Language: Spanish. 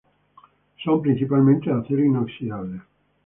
Son principalmente de acero inoxidable.